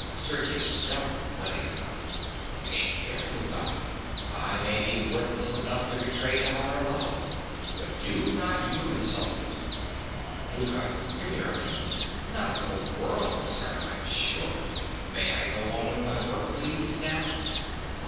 SERGIUS. (stung—letting her go). Take care, Louka. I may be worthless enough to betray the higher love; but do not you insult it. LOUKA. (demurely). Not for the world, sir, I'm sure. May I go on with my work please, now?